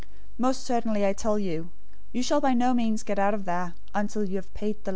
005:026 Most certainly I tell you, you shall by no means get out of there, until you have paid the last penny.